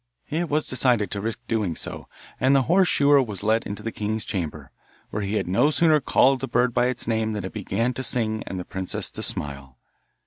It was decided to risk doing so, and the horse shoer was led into the king's chamber, where he had no sooner called the bird by its name than it began to sing and the princess to smile.